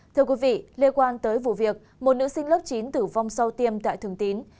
thưa quý vị liên quan tới vụ việc một nữ sinh lớp chín tử vong sau tiêm tại thường tín